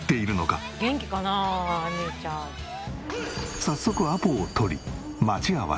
早速アポを取り待ち合わせ。